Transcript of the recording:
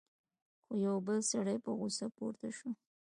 خو یو بل سړی په غصه پورته شو: